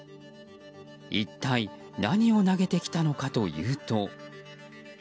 一体何を投げてきたのかというと。